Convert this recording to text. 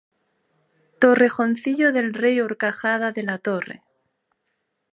Torrejoncillo del Rey-Horcajada de la Torre.